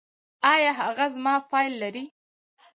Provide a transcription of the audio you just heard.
ایا هغه زما فایل لري؟